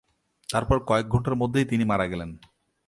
তারপর কয়েক ঘণ্টার মধ্যেই তিনি মারা গেলেন।